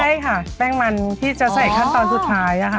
ใช่ค่ะแป้งมันที่จะใส่ขั้นตอนสุดท้ายค่ะ